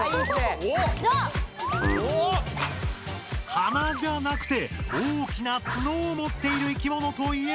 鼻じゃなくて大きなツノをもっているいきものといえば？